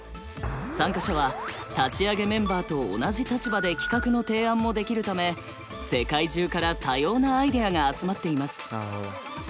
参加者は立ち上げメンバーと同じ立場で企画の提案もできるため世界中から多様なアイデアが集まっています。